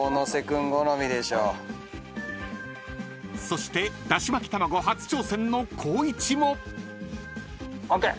［そしてだし巻き玉子初挑戦の光一も］